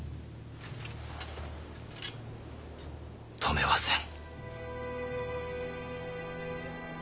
止めはせん。